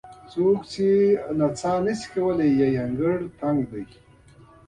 څوک چې نڅا نه شي کولی وایي چې انګړ هوار نه دی.